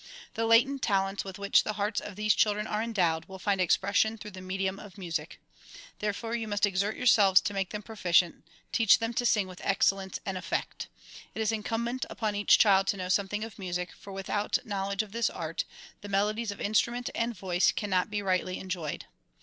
The latent talents with which the hearts of these children are endowed will find expression through the medium of music. Therefore you must exert yourselves to make them proficient ; teach them to sing with excellence and effect. It 50 THE PROMULGATION OF UNIVERSAL PEACE is incumbent upon each child to know something of music, for with out knowledge of this art, the melodies of instrument and voice cannot be rightly enjoyed.